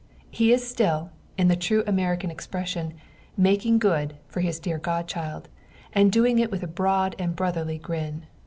He is still, in the true American expression "making good" for his deer godchild, and doing it with a broad and brotherly grin.